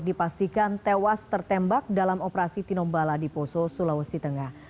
dipastikan tewas tertembak dalam operasi tinombala di poso sulawesi tengah